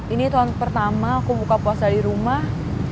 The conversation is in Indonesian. ini tahun pertama aku buka puasa di rumah